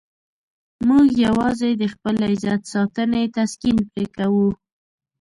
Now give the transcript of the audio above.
موږ یوازې د خپل عزت ساتنې تسکین پرې کوو.